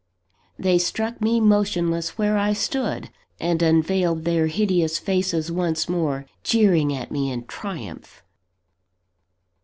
They struck me motionless where I stood and unveiled their hideous faces once more, jeering at me in triumph.